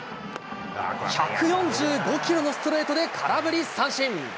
１４５キロのストレートで空振り三振。